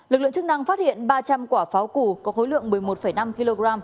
lực lượng chức năng phát hiện ba trăm linh quả pháo củ có khối lượng một mươi một năm kg